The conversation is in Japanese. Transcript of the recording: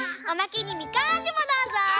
おまけにみかんあじもどうぞ！